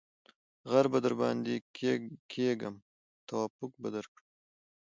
ـ غر به درباندې کېږم توافق به درکړم.